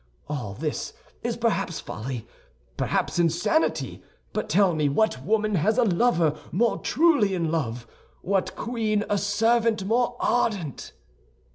All this is perhaps folly—perhaps insanity; but tell me what woman has a lover more truly in love; what queen a servant more ardent?"